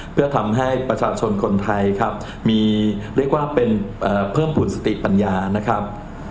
เพื่อทำให้ประชาชนคนไทยครับมีเรียกว่าเป็นเพิ่มบุญสติปัญญานะครับ